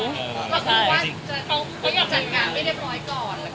ก็คิดว่าคุณพ่ออยากจัดงานไม่เรียบร้อยก่อน